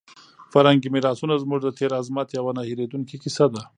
فرهنګي میراثونه زموږ د تېر عظمت یوه نه هېرېدونکې کیسه ده.